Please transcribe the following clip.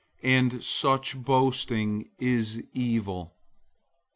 All such boasting is evil.